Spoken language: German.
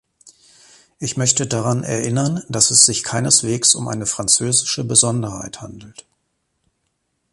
Ich möchte daran erinnern, dass es sich keineswegs um eine französische Besonderheit handelt.